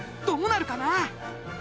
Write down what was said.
どうなるかな？